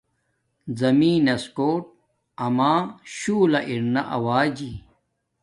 زمین نس کوٹ آما شولہ ارنا آوجی